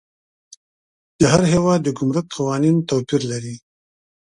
د هر هیواد د ګمرک قوانین توپیر لري.